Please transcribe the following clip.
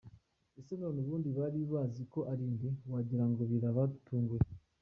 none se ubundi bari bazi ko arinde?? wagirango birabatunguye!!!!.